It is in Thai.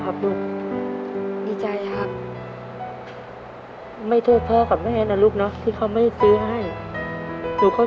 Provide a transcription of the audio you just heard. และนี่คือของขวัญสำหรับเด็กดีอย่างหนูนะลูกนะรับเอากลับไปด้วยนะครับ